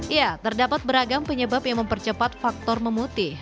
ya terdapat beragam penyebab yang mempercepat faktor memutih